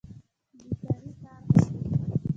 بیکاري کار غواړي